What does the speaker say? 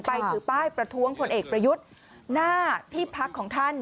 ถือป้ายประท้วงผลเอกประยุทธ์หน้าที่พักของท่าน